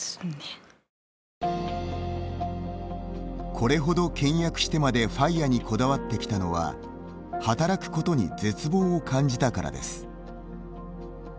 これほど倹約してまでＦＩＲＥにこだわってきたのは働くことに絶望を感じたからです。